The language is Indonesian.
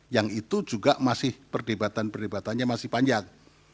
yang itu juga masih perdebatan perdebatannya masih panjang